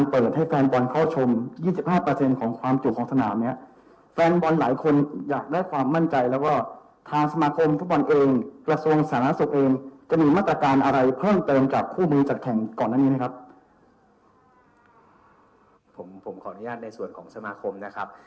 ผมขออนุญาตในส่วนของสมาคมนะครับ